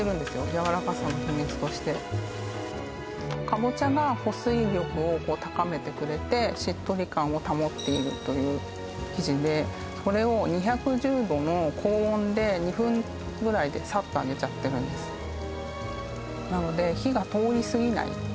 やわらかさの秘密としてカボチャが保水力を高めてくれてしっとり感を保っているという生地でそれを２１０℃の高温で２分ぐらいでさっと揚げちゃってるんですなので火が通りすぎないっていう